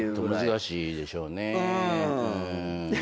難しいでしょうね。